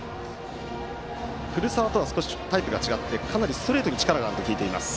古澤とは、少しタイプが違ってストレートに、かなり力があると聞いています。